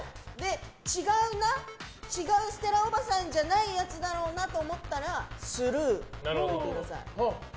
違うな、ステラおばさんじゃないやつだなと思ったらスルー！って言ってください。